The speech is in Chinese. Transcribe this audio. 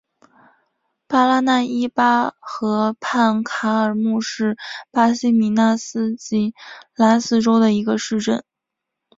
巴拉那伊巴河畔卡尔穆是巴西米纳斯吉拉斯州的一个市镇。